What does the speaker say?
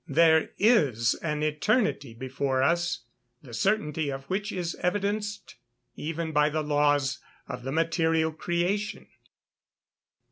There is an eternity before us, the certainty of which is evidenced even by the laws of the material creation.